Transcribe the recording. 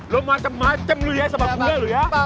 lu macem macem lu ya sama gua